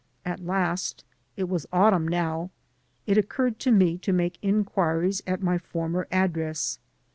At last — ^it was autumn now — it occurred to me to make inquiries at my former address.